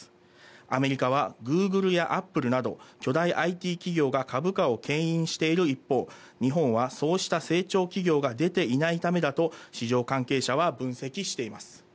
アメリカはＧｏｏｇｌｅやＡｐｐｌｅなど巨大ＩＴ企業が株価を牽引している一方、日本はそうした成長企業が出ていないためだと市場関係者は分析しています。